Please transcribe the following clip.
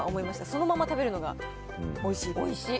そのまま食べるのがおいしいですおいしい。